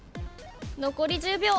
残り１０秒。